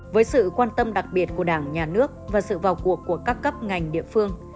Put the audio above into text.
với sự quan tâm đặc biệt của đảng nhà nước và sự vào cuộc của các cấp ngành địa phương